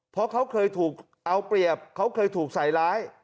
เพราะเขาเคยถูกเอาเปรียบเขาเคยถูกใส่ร้าย